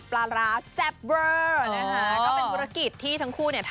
เพราะว่าเรามีกันแค่๒คน